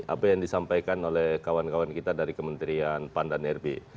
apa yang disampaikan oleh kawan kawan kita dari kementerian pan dan rb